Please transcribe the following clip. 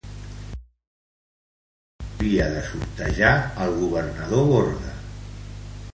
Agitats dies hauria de sortejar el governador Borda.